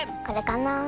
これかな？